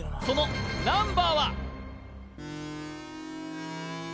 そのナンバーは？